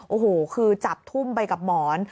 โอ้โหคือจับทุ่มไปกับหมอน